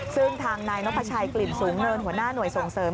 ซึ่งทางนายนพชัยกลิ่นสูงเนินหัวหน้าหน่วยส่งเสริม